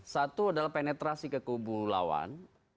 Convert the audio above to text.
satu adalah penetrasi ke kubu lawan